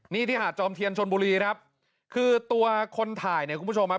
นี่ที่หาดจอมเทียนชนบุรีครับคือตัวคนถ่ายเนี่ยคุณผู้ชมครับ